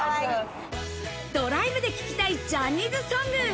ドライブで聴きたいジャニーズソング。